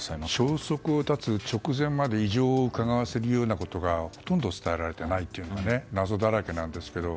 消息を絶つ直前まで、異常をうかがわせるようなことがほとんど伝えられていないというので謎だらけなんですけど